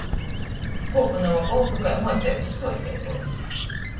Kuopynuoja bolsu kai muoceibys stuostietuojs.